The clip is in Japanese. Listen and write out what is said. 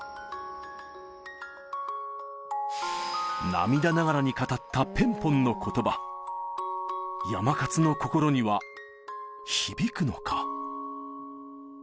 涙ながらに語ったペンポンの言葉やまかつの心には響くのか？